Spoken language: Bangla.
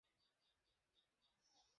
আমায় মাথামোটা বলছো?